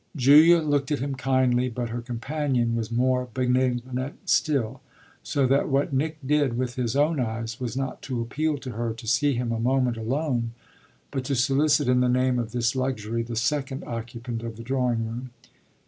Julia looked at him kindly, but her companion was more benignant still; so that what Nick did with his own eyes was not to appeal to her to see him a moment alone, but to solicit, in the name of this luxury, the second occupant of the drawing room.